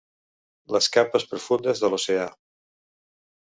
Les capes profundes de l'oceà.